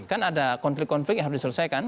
kan ada konflik konflik yang harus diselesaikan